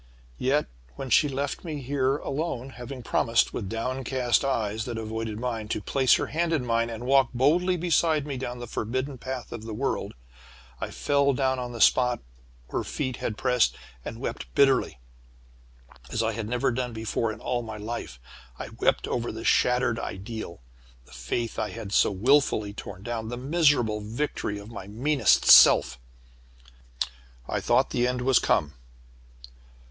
"Yet, when she left me here alone, having promised, with downcast eyes that avoided mine, to place her hand in mine, and walk boldly beside me down the forbidden path of the world, I fell down on the spot her feet had pressed, and wept bitterly, as I had never done before in all my life. Wept over the shattered ideal, the faith I had so wilfully torn down, the miserable victory of my meanest self. "I thought the end was come.